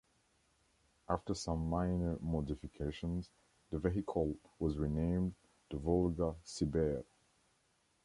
After some minor modifications the vehicle was renamed the Volga Siber.